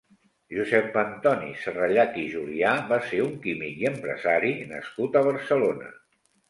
Josep Antoni Serrallach i Julià va ser un químic i empresari nascut a Barcelona.